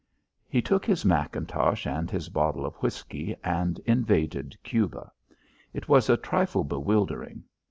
He took his mackintosh and his bottle of whisky and invaded Cuba. It was a trifle bewildering.